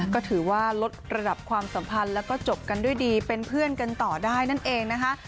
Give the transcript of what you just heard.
ก็ถือว่าลดระดับความสัมพันธ์แล้วก็จบกันด้วยดีเป็นเพื่อนกันต่อได้นั่นเองนะคะ